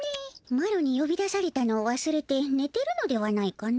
マロによび出されたのをわすれてねてるのではないかの？